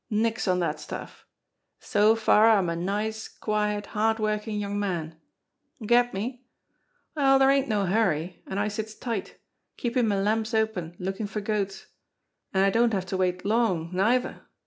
Nix on dat stuff! So far I'm a nice, quiet, hard working young man. Get me ? Well, dere ain't no hurry, an' I sits tight, keepin' me lamps open lookin' for goats. An' I don't have to wait long, neither.